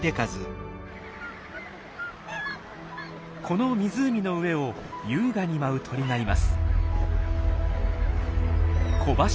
この湖の上を優雅に舞う鳥がいます。